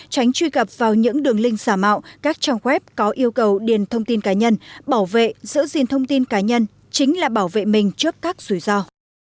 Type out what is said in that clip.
tránh truy cập vào những đường link giả mạo các trang web có yêu cầu điền thông tin cá nhân bảo vệ giữ gìn thông tin cá nhân chính là bảo vệ mình trước các rủi ro